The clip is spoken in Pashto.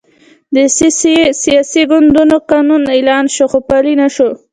د سیاسي ګوندونو قانون اعلان شو، خو پلی نه شو.